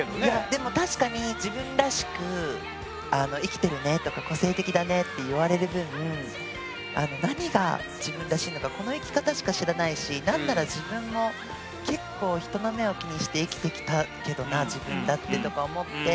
でも確かに「自分らしく生きてるね」とか「個性的だね」って言われる分何が自分らしいのかこの生き方しか知らないし何なら自分も結構けどな自分だってとか思って。